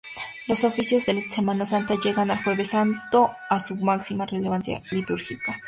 Los oficios de Semana Santa llegan el Jueves Santo a su máxima relevancia litúrgica.